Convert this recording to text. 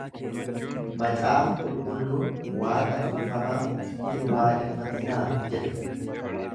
Macaafa qulqulluun waaqa tolfamaa hin waaqeffatinaa jedha